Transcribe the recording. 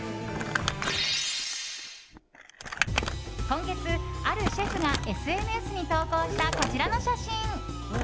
今月あるシェフがＳＮＳに投稿した、こちらの写真。